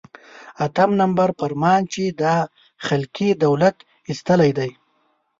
اتم نمبر فرمان چې دا خلقي دولت ایستلی دی.